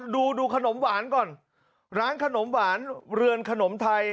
ดูดูขนมหวานก่อนร้านขนมหวานเรือนขนมไทย